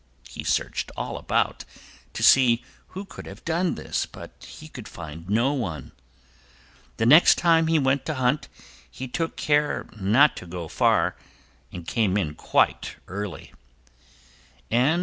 He searched all about to see who could have done this, but could find no one. The next time he went to hunt he took care not to go far and came in quite early.